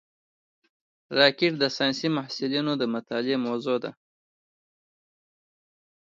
راکټ د ساینسي محصلینو د مطالعې موضوع ده